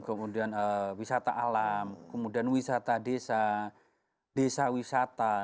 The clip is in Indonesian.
kemudian wisata alam kemudian wisata desa desa wisata